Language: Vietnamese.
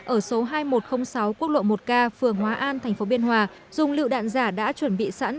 ở số hai nghìn một trăm linh sáu quốc lộ một k phường hóa an tp biên hòa dùng lựu đạn giả đã chuẩn bị sẵn